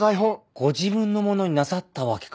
ご自分のものになさったわけか。